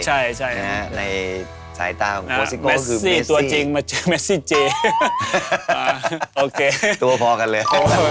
อ่ะโอเคตัวพอกันเลย